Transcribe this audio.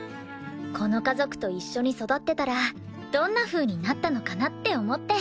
この家族と一緒に育ってたらどんなふうになったのかなって思って。